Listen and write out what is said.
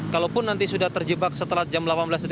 kalaupun nanti sudah terjebak setelah jam delapan belas